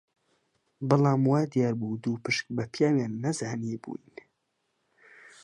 بەڵام وا دیار بوو دووپشک بە پیاویان نەزانیبووین